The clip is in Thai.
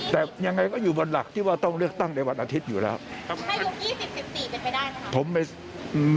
แต่ยังไงก็อยู่บนหลักที่ว่าต้องเลือกตั้งในวันอาทิตย์อยู่แล้ว